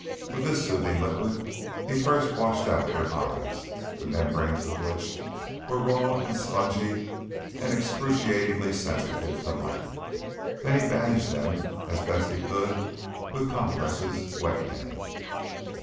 With this soothing liquid he first washed out their eyes, the membranes of which were raw and spongy, and excruciatingly sensitive to light, then he bandaged them as best he could with compresses, wet in it.